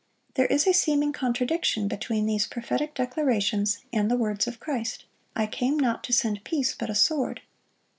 (64) There is a seeming contradiction between these prophetic declarations and the words of Christ, "I came not to send peace, but a sword."